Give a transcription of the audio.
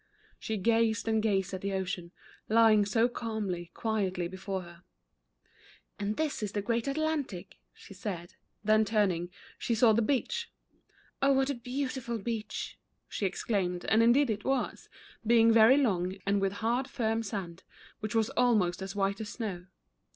She gazed and gazed at the ocean, lying so calmly, quietly before her. "And this is the great Atlantic," she said, then turning, she saw the beach. Oh, what a beauti The Runaway Watch. i 13 ful beach," she exclaimed, and indeed it was, being very long, and with hard, firm sand, which was almost as white as snow.